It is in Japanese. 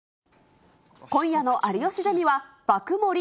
今夜の有吉ゼミは、爆盛り